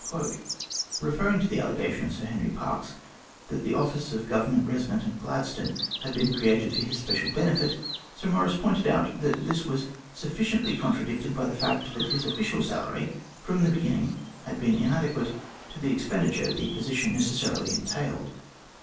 Eeferring to the allegation of Sir Henry Parkes that the office of Government Eesident at Gladstone had been created for his special benefit, Sir Maurice pointed out that this was sufficiently contradicted by the fact that his official salary from the beginning had been inadequate to the expenditure the position necessarily entailed.